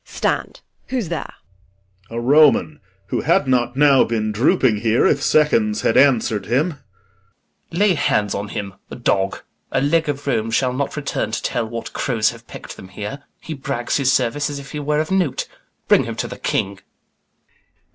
Stand! who's there? POSTHUMUS. A Roman, Who had not now been drooping here if seconds Had answer'd him. SECOND CAPTAIN. Lay hands on him; a dog! A leg of Rome shall not return to tell What crows have peck'd them here. He brags his service, As if he were of note. Bring him to th' King.